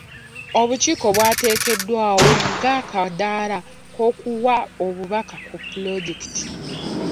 Obukiiko bwateekeddwawo nga akadaala k'okuwa obubaka ku pulojekiti.